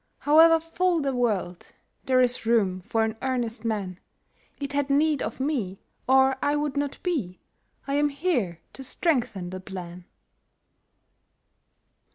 However full the world, There is room for an earnest man. It had need of me, or I would not be— I am here to strengthen the plan."